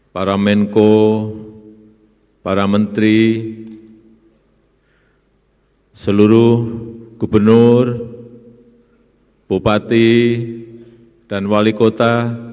para menko para menteri seluruh gubernur bupati dan wali kota